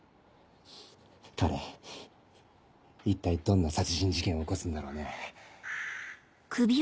彼一体どんな殺人事件を起こすんだろうね？